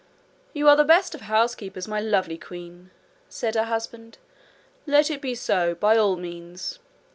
'You are the best of housekeepers, my lovely queen!' said her husband. 'Let it be so by all means.